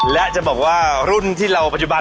และจะบอกว่ารุ่นที่เราปัจจุบัน